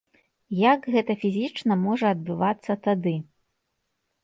Як гэта фізічна можа адбывацца тады?